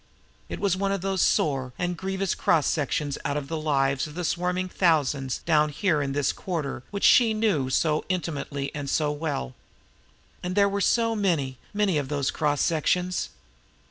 It was one of those sore and grievous cross sections out of the lives of the swarming thousands down here in this quarter which she knew so intimately and so well. And there were so many, many of those cross sections!